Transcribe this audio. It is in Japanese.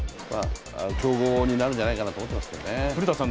競合になるんじゃないかなと思ってますけどね。